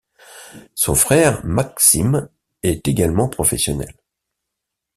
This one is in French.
Son frère Maksim est également professionnel.